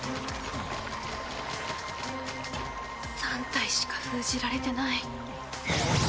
３体しか封じられてない。